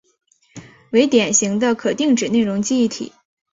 为典型的可定址内容记忆体。